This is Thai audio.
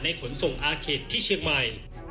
ขนส่งอาเขตที่เชียงใหม่